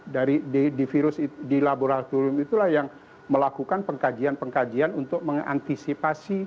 dari di laboratorium itulah yang melakukan pengkajian pengkajian untuk mengantisipasi